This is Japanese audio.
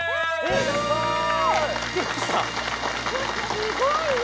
すごいよ。